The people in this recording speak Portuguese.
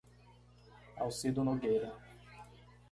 Alcido Nogueira